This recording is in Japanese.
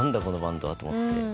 このバンドは」と思って。